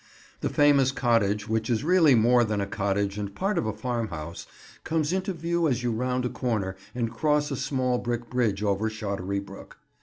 The famous cottage, which is really more than a cottage and part of a farmhouse, comes into view as you round a corner and cross a small brick bridge over Shottery Brook.